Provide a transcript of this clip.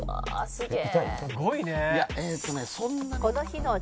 「すごいね」